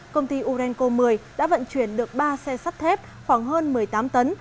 công ty orenco một mươi đã vận chuyển được ba xe sắt thép khoảng hơn một mươi tám tấn